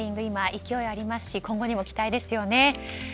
今、勢いがありますし今後にも期待ですよね。